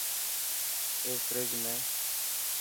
اي فريج ۾.